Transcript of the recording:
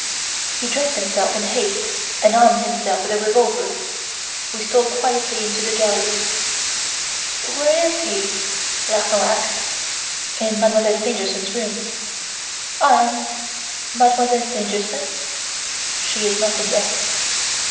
"He dressed himself in haste and armed himself with a revolver. We stole quietly into the gallery. "'Where is he?' Larsan asked. "'In Mademoiselle Stangerson's room. "'And Mademoiselle Stangerson?' "'She is not in there.